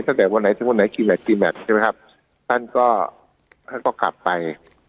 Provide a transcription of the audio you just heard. จากวันไหนทั้งวันไหนใช่ไหมครับท่านก็กลับไป